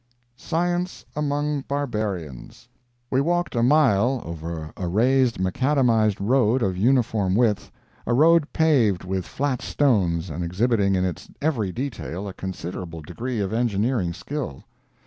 SCIENCE AMONG BARBARIANS We walked a mile over a raised macadamized road of uniform width; a road paved with flat stones and exhibiting in its every detail a considerable degree of engineering skill.